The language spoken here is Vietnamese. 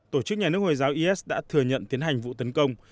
tổ chức nhà nước hồi giáo is đã thừa nhận tiến hành vụ tấn công